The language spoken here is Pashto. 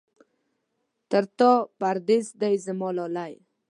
تر تا پردېس دی زما لالی.